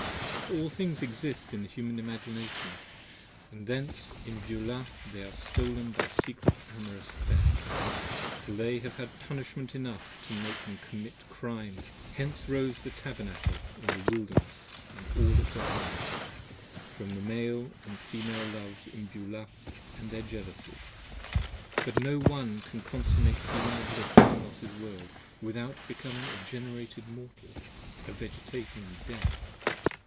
83 25 For All Things Exist in the Human Imagination, And thence in Beulah they are stolen by secret amorous theft, Till they have had Punishment enough to make them commit Crimes. Hence rose the Tabernacle in the Wilderness & all its Offerings, From Male & Female Loves in Beulah & their Jealousies, 30 But no one can consummate Female bliss in Los's World without Becoming a Generated Mortal, a Vegetating Death.